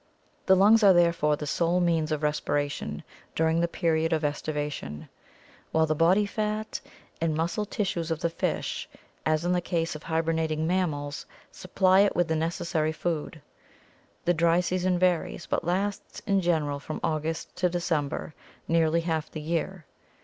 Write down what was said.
The lungs are, therefore, the sole means of respiration during the period of aestivation, while the body fat and muscle tissues of the fish, as in the case of hibernating mammals, supply it with the necessary food. The dry season varies, but lasts in general from August to December, nearly half the year.